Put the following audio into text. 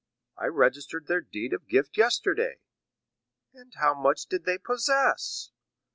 "I registered their deed of gift yesterday." "And how much did they possess?"